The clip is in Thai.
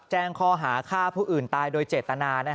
แจ้งข้อหาฆ่าผู้อื่นตายโดยเจตนา